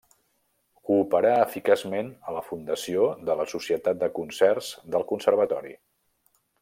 Cooperà eficaçment a la fundació de la Societat de Concerts del Conservatori.